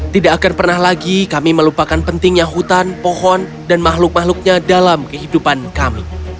tidak akan pernah lagi kami melupakan pentingnya hutan pohon dan makhluk makhluknya dalam kehidupan kami